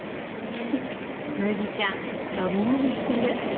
むぎちゃん伸び伸びしてる！